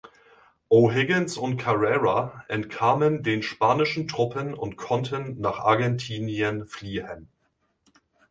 O’Higgins und Carrera entkamen den spanischen Truppen und konnten nach Argentinien fliehen.